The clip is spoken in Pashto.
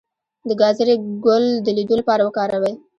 د ګازرې ګل د لید لپاره وکاروئ